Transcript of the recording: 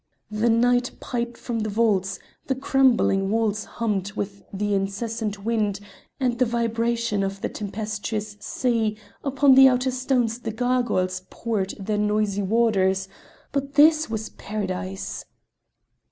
The night piped from the vaults, the crumbling walls hummed with the incessant wind and the vibration of the tempestuous sea; upon the outer stones the gargoyles poured their noisy waters but this but this was Paradise!